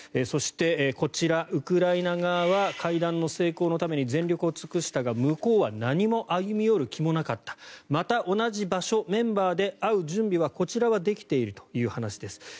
そして、こちら、ウクライナ側は会談の成功のために全力を尽くしたが向こうは何も歩み寄る気もなかったまた同じ場所、メンバーで会う準備はこちらはできているという話です。